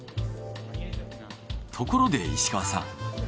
ところで石川さん。